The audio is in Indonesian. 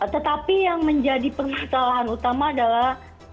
tetapi yang menjadi permasalahan utama adalah